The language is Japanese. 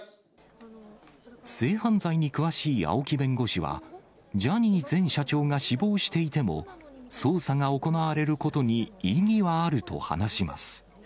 性犯罪に詳しい青木弁護士は、ジャニー前社長が死亡していても、捜査が行われることに意義はあると話します。